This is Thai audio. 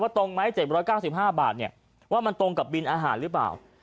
ตรงไหม๗๙๕บาทว่ามันตรงกับบินอาหารหรือเปล่า